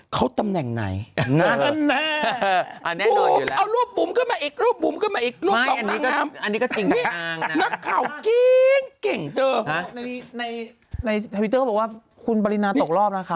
เก่งเจอในทวิกเตอร์บอกว่าคุณบรินาตกรอบนะคะ